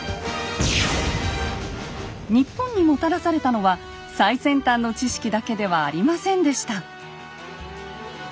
日本にもたらされたのは最先端の知識だけではありませんでした。